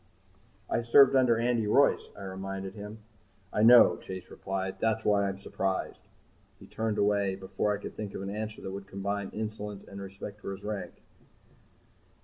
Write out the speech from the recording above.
"I served under Andy Royce," I reminded him. "I know," Chase replied. "That's why I'm surprised." He turned away before I could think of an answer that would combine insolence and respect for his rank.